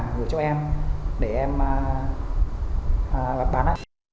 gửi cho em để em bắt bán